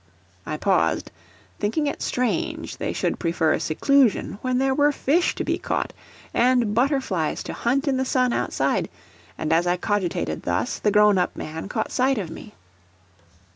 I paused, thinking it strange they should prefer seclusion when there were fish to be caught, and butterflies to hunt in the sun outside; and as I cogitated thus, the grown up man caught sight of me.